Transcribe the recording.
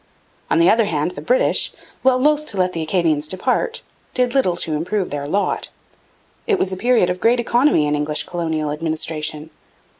On the other hand, the British, while loth to let the Acadians depart, did little to improve their lot. It was a period of great economy in English colonial administration.